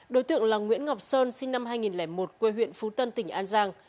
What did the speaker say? đối tượng là nguyễn ngọc sơn sinh năm hai nghìn một quê huyện phú tân tỉnh an giang